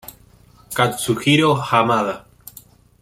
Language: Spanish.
Katsuhiro Hamada